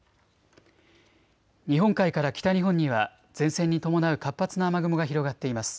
日本海から北日本には前線に伴う活発な雨雲が広がっています。